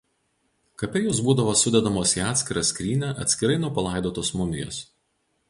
Kape jos būdavo sudedamos į atskirą skrynią atskirai nuo palaidotos mumijos.